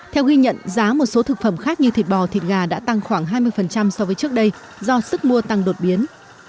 theo ghi nhận giá một số thực phẩm khác như thịt bò thịt gà đã tăng khoảng hai mươi so với trước đây do sức mua tăng đột biến